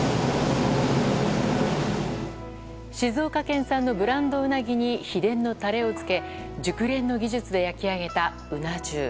静岡県産のブランドうなぎに秘伝のタレをつけ熟練の技術で焼き上げた、うな重。